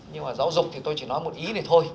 nhưng mà giáo dục thì tôi chỉ nói một ý này thôi